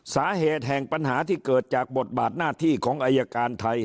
สาเหตุแห่งปัญหาที่เกิดจากบทบาทหน้าที่ของอายการไทย